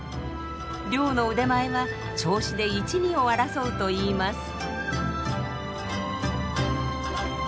漁の腕前は銚子で一二を争うといいます。